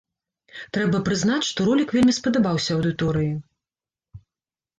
Трэба прызнаць, што ролік вельмі спадабаўся аўдыторыі.